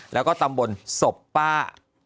และก็ตำบลสบป้า